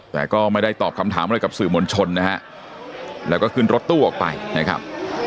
แต่ก็ไม่ได้ตอบคำถามอะไรกับสื่อมวลชนนะฮะแล้วก็ขึ้นรถตู้ออกไปนะครับ